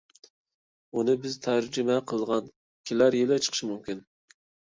ئۇنى بىز تەرجىمە قىلغان. كېلەر يىل چىقىشى مۇمكىن.